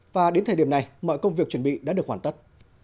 và đến thời điểm này mọi công việc chuẩn bị đã được hoàn tất